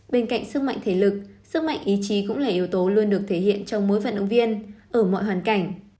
bên cạnh sức mạnh thể lực sức mạnh ý chí cũng là yếu tố luôn được thể hiện trong mỗi vận động viên ở mọi hoàn cảnh